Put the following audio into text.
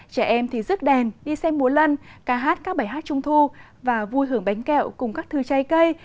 trẻ em thì rước đèn đi xem mùa lần ca hát các bài hát trung thu và vui hưởng bánh kẹo cùng các thư trái cây